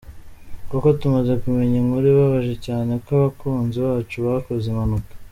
koko tumaze kumenya inkuru ibabaje cyane ko abakunzi bacu bakoze impanuka.